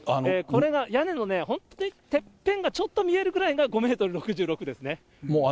これが屋根の本当にてっぺんがちょっと見えるぐらいが５メートル６６ですね。